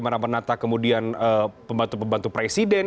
jadi bagaimana menata kemudian pembantu pembantu presiden